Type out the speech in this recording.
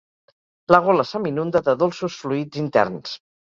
La gola se m'inunda de dolços fluids interns.